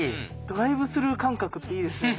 ドライブスルー感覚っていいですよね。